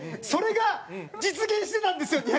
それが実現してたんですよ！